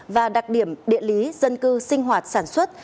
và đặc điểm địa lý dân cư sinh hoạt sản xuất